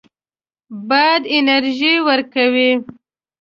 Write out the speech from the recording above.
باد انرژي ورکوي.